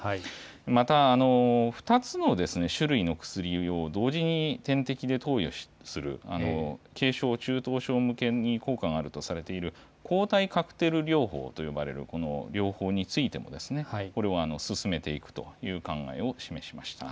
また２つの種類の薬を同時に点滴で投与する、軽症、中等症向けに効果があるとされている抗体カクテル療法と呼ばれる療法についても、これを進めていくという考えを示しました。